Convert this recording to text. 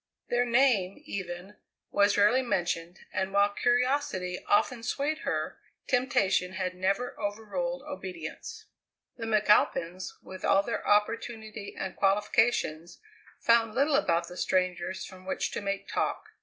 Their name, even, was rarely mentioned, and, while curiosity often swayed her, temptation had never overruled obedience. The McAlpins, with all their opportunity and qualifications, found little about the strangers from which to make talk.